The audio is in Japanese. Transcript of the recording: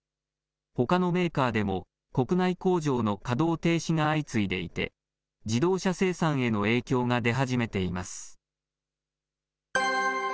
ほかのメーカーでも、国内工場の稼働停止が相次いでいて、自動車生産への影響が出始めています。